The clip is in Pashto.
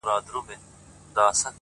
نور به خبري نه کومه نور به چوپ اوسېږم